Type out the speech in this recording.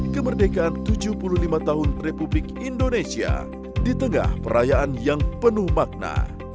kemerdekaan tujuh puluh lima tahun republik indonesia di tengah perayaan yang penuh makna